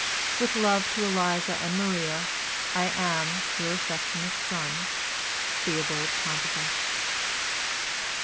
With love to Eliza and Maria, I am, your affectionate son, "THEOBALD PONTIFEX."